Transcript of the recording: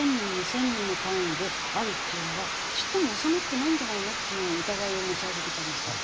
人２０００人の単位であるっていうのはちっとも収まってないんじゃないの？っていう疑いを持ち始めちゃうんですけど。